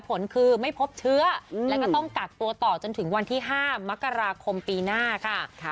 ผลคือไม่พบเชื้อแล้วก็ต้องกักตัวต่อจนถึงวันที่๕มกราคมปีหน้าค่ะ